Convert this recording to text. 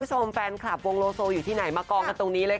คุณผู้ชมแฟนคลับวงโลโซอยู่ที่ไหนมากองกันตรงนี้เลยค่ะ